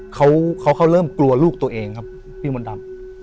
เพราะว่าเขาเริ่มกลัวลูกตัวเองครับพิมรดำ